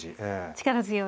力強い。